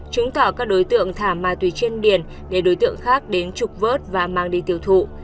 chứng tỏ các đối tượng thả ma túy trên biển để đối tượng khác đến trục vớt và mang đi tiêu thụ